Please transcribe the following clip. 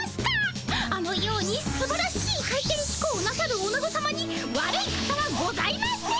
あのようにすばらしい回転飛行をなさるおなごさまに悪い方はございません！